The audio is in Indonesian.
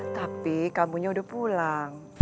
tapi kamunya udah pulang